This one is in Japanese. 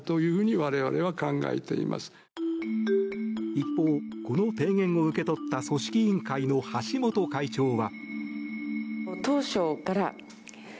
一方、この提言を受け取った組織委員会の橋本会長は。